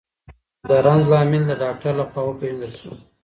د رنځ لامل د ډاکټر لخوا وپېژندل سو.